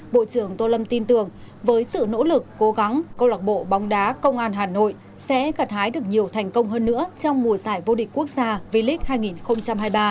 bộ trưởng tô lâm tin tưởng với sự nỗ lực cố gắng công lạc bộ bóng đá công an hà nội sẽ gặt hái được nhiều thành công hơn nữa trong mùa giải vô địch quốc gia v lic hai nghìn hai mươi ba